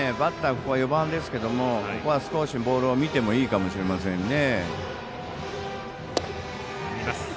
ここは４番ですけどもここは少しボールを見てもいいかもしれませんね。